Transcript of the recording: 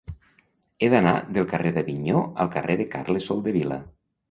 He d'anar del carrer d'Avinyó al carrer de Carles Soldevila.